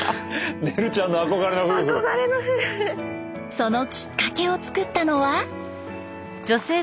そのきっかけを作ったのは。